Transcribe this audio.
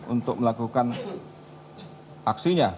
untuk melakukan aksinya